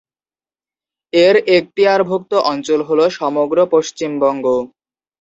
এর এক্তিয়ারভুক্ত অঞ্চল হল সমগ্র পশ্চিমবঙ্গ।